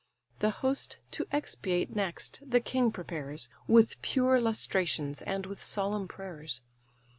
The host to expiate next the king prepares, With pure lustrations, and with solemn prayers.